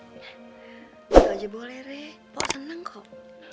itu aja boleh re pokok seneng kok